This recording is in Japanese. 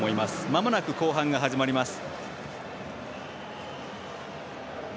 まもなく後半が始まります。